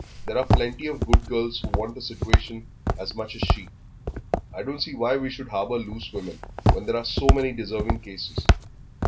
There are plenty of good girls who want a situation as much as she. I don't see why we should harbour loose women when there are so many deserving cases."